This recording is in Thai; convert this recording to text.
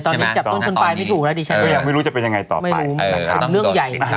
ตอนนี้จับต้นชนภัยไม่ถูกแล้วนะที่เช้น